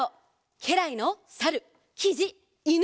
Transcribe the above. けらいのさるきじいぬ。